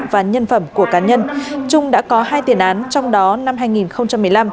và nhân phẩm của cá nhân trung đã có hai tiền án trong đó năm hai nghìn một mươi năm